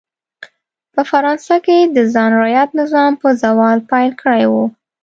په فرانسه کې د خان رعیت نظام په زوال پیل کړی و.